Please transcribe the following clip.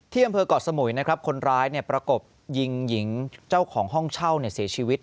อำเภอกเกาะสมุยนะครับคนร้ายประกบยิงหญิงเจ้าของห้องเช่าเสียชีวิต